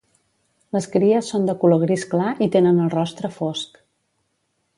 Les cries són de color gris clar i tenen el rostre fosc.